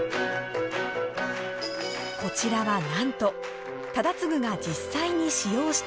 こちらはなんと忠次が実際に使用していた刀。